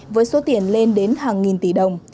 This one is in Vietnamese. với số tiền lên đến hàng nghìn tỷ đồng